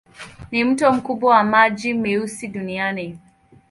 Ni mto mkubwa wa maji meusi duniani.